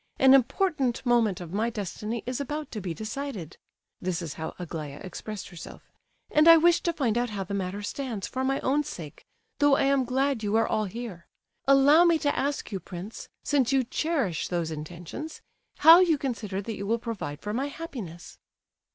An important moment of my destiny is about to be decided"—(this is how Aglaya expressed herself)—"and I wish to find out how the matter stands, for my own sake, though I am glad you are all here. Allow me to ask you, prince, since you cherish those intentions, how you consider that you will provide for my happiness?"